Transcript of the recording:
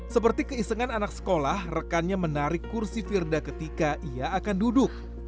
seperti keisengan anak sekolah rekannya menarik kursi firda ketika ia akan duduk